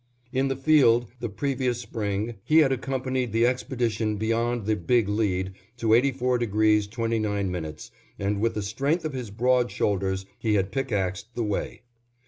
In the field the previous spring he had accompanied the expedition beyond the "Big Lead" to 84° 29', and with the strength of his broad shoulders he had pickaxed the way.